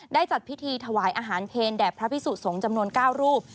จัดพิธีถวายอาหารเพลแด่พระพิสุสงฆ์จำนวน๙รูป